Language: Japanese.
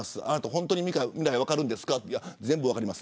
本当に分かるんですか全部分かります。